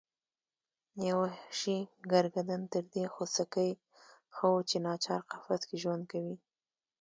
یو وحشي ګرګدن تر دې خوسکي ښه و چې ناچار قفس کې ژوند کوي.